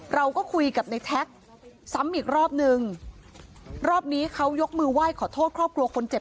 เราก็คุยกับในแท็กซ้ำอีกรอบนึงรอบนี้เขายกมือไหว้ขอโทษครอบครัวคนเจ็บ